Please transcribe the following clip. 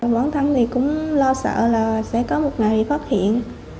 bản thân thì cũng lo sợ là sẽ có một ngày bị phát hiện